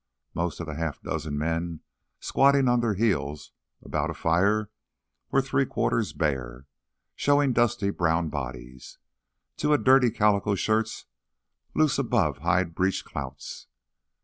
Most of the half dozen men squatting on their heels about a fire were three quarters bare, showing dusty, brown bodies. Two had dirty calico shirts loose above hide breech clouts.